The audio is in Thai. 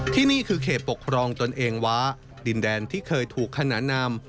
ที่นี่คือเขตปกครองตนเองว้าดินแดนที่เคยถูกขนานนาม